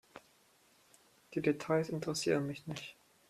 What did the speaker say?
Die Details interessieren mich nicht.